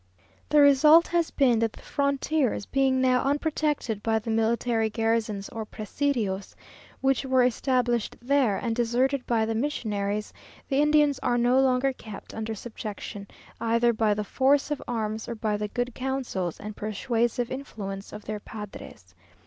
The result has been, that the frontiers, being now unprotected by the military garrisons or presidios, which were established there, and deserted by the missionaries, the Indians are no longer kept under subjection, either by the force of arms or by the good counsels and persuasive influence of their padres.